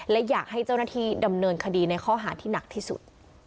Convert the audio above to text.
และอยากให้เจ้าหน้าที่ดำเนินคดีในข้อหาที่หนักที่สุด